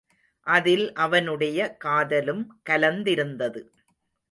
அதில் அவனுடைய காதலும் கலந்திருந்தது.